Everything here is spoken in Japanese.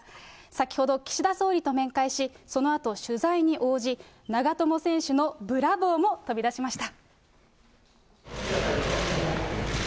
先ほど岸田総理と面会し、そのあと取材に応じ、長友選手のブラボーも飛び出しました。